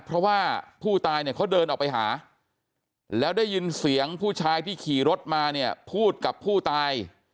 เพราะว่าผู้ตายเนี่ยเขาเดินออกไปหาแล้วได้ยินเสียงผู้ชายที่ขี่รถมาเนี่ยพูดกับผู้ตาย